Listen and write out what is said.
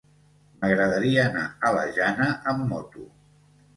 M'agradaria anar a la Jana amb moto.